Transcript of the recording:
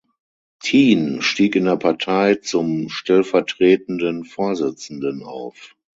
Tien stieg in der Partei zum stellvertretenden Vorsitzenden auf.